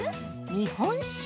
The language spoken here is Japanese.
日本酒。